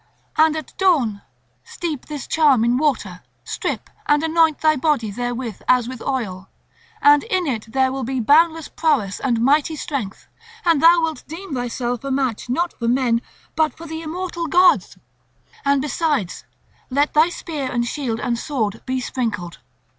And at dawn steep this charm in water, strip, and anoint thy body therewith as with oil; and in it there will be boundless prowess and mighty strength, and thou wilt deem thyself a match not for men but for the immortal gods. And besides, let thy spear and shield and sword be sprinkled.